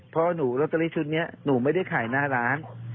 เพราะหนูลอตเตอรี่ชุดนี้หนูไม่ได้ขายหน้าร้าน